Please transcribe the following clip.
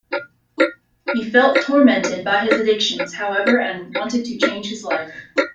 He felt tormented by his addictions, however, and wanted to change his life.